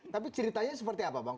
tapi ceritanya seperti apa bang